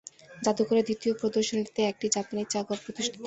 জাদুঘরের দ্বিতীয় প্রদর্শনীতে একটি জাপানি চা ঘর প্রদর্শিত হয়।